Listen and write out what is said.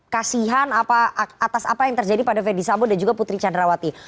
kasihan apa atas apa yang terjadi pada fedy sabo dan juga putri candrawati